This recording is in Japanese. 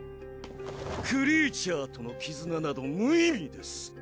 クリーチャーとの絆など無意味です。